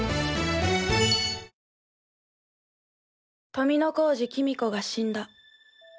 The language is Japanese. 富小路公子が死んだ。